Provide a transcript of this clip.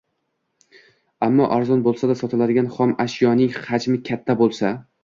Ammo arzon bo‘lsa-da, sotiladigan xom ashyoning hajmi katta bo‘lsa